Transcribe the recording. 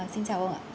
xin chào ông ạ